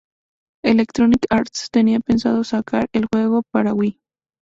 Electronic Arts tenía pensado sacar el juego para Wii.